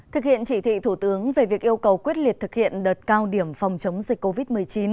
thực hiện chỉ thị thủ tướng về việc yêu cầu quyết liệt thực hiện đợt cao điểm phòng chống dịch covid một mươi chín